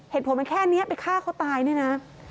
เหตุผลมันแค่นี้ไปฆ่าเขาตายเนี่ยนะ